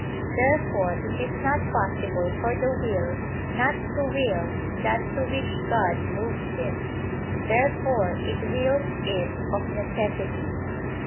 Therefore it is not possible for the will not to will that to which God moves it. Therefore it wills it of necessity.